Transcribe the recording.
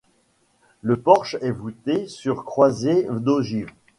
Le porche est vouté sur croisée d’ogives.